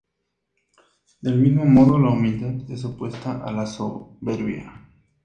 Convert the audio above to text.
Del mismo modo, la humildad es opuesta a la soberbia.